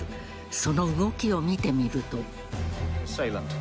その動きを見てみると。